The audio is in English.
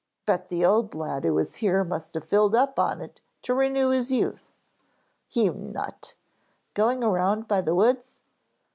Bet the old lad who was here must have filled up on it to renew his youth." "You nut. Going around by the woods?"